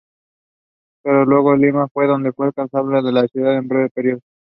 Hamlett criticized the Amiga version for its poor joystick response.